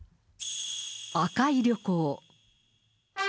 紅い旅行。